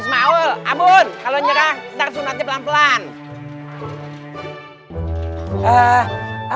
coba ketemu aja